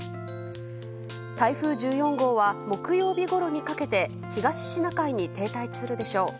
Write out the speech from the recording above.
台風１４号は木曜日ごろにかけて東シナ海に停滞するでしょう。